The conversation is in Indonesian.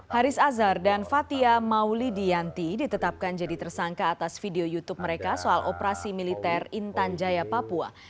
haris azhar dan fathia maulidianti ditetapkan jadi tersangka atas video youtube mereka soal operasi militer intan jaya papua